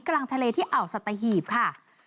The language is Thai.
กลางทะเลที่อ่าวสัตหีบค่ะ